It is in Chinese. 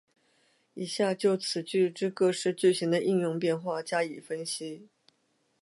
以下就此句之各式句型的应用变化加以分析。